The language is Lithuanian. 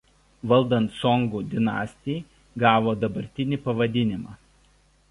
Valdant Songų dinastijai gavo dabartinį pavadinimą.